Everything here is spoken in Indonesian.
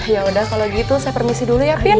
yaudah kalau gitu saya permisi dulu ya bin